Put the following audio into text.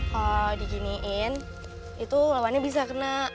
kalau diginiin itu lawannya bisa kena